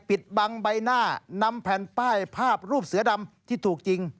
ปิดบังใบหน้านำแผ่นป้ายภาพรูปเสือดำที่ถูกจริง